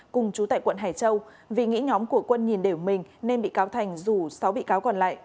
cùng chú tại quận hải châu vì nghĩ nhóm của quân nhìn đều mình nên bị cáo thành rủ sáu bị cáo còn lại